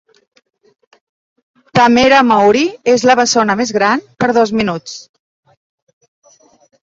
Tamera Mowry és la bessona més gran per dos minuts.